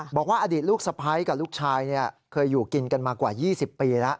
บอกว่าอดีตลูกสะพ้ายกับลูกชายเคยอยู่กินกันมากว่า๒๐ปีแล้ว